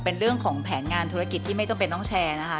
เป็นเรื่องของแผนงานธุรกิจที่ไม่จำเป็นต้องแชร์นะคะ